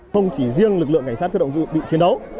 không chỉ riêng lực lượng cảnh sát cơ động dự bị chiến đấu